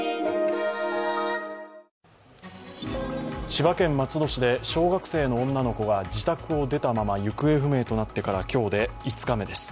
千葉県松戸市で小学生の女の子が自宅を出たまま行方不明となってから今日で５日目です。